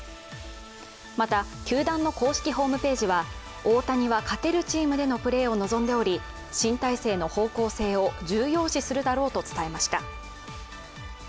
また、球団の公式ホームページは大谷は勝てるチームでのプレーを望んでおり新体制の方向性を重要視するだろうと伝えました。